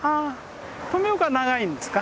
富岡長いんですか？